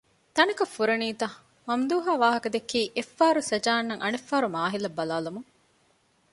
ތަނަކަށް ފުރަނީތަ ؟ މަމްދޫހާ ވާހަކަދެއްކީ އެއްފަހަރު ސަޖާއަށް އަނެއްފަހަރު މާހިލަށް ބަލާލަމުން